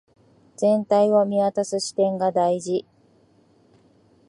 全体を見渡す視点が大事